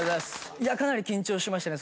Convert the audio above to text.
いやかなり緊張しましたね。